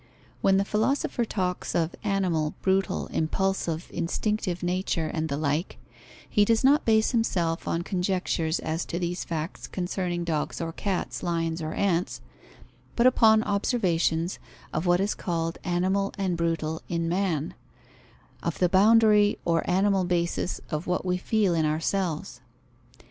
When the philosopher talks of animal, brutal, impulsive, instinctive nature and the like, he does not base himself on conjectures as to these facts concerning dogs or cats, lions or ants; but upon observations of what is called animal and brutal in man: of the boundary or animal basis of what we feel in ourselves.